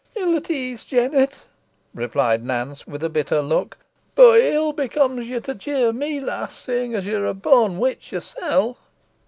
"Ill at ease, Jennet," replied Nance, with a bitter look; "boh it ill becomes ye to jeer me, lass, seein' yo're a born witch yoursel."